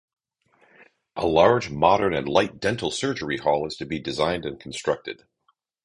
A large, modern and light dental surgery hall is to be designed and constructed.